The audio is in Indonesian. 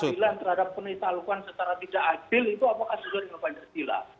penista al quran terhadap penista al quran secara tidak adil itu apakah sesuai dengan pancasila